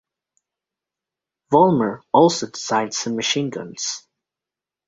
Vollmer also designed some machine guns.